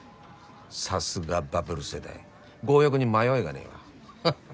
さすがバブル世代強欲に迷いがねぇわははっ。